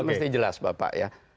mesti jelas bapak ya